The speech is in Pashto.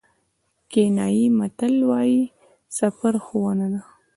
کینیايي متل وایي سفر ښوونه ده.